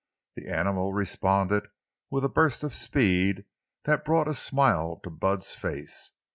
The animal responded with a burst of speed that brought a smile to Bud's face.